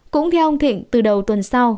cũng theo ông thịnh từ đầu tuần sau